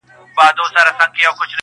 • دا زيږې زيږې خبري -